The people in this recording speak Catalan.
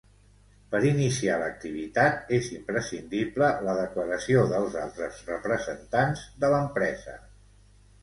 Per iniciar l'activitat, és imprescindible la declaració dels altres representants de l'empresa.